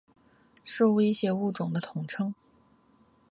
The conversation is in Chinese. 受威胁物种的统称。